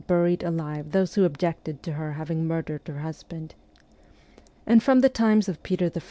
buried alive those who objected to her having murdered her husband. And from the times of Peter I.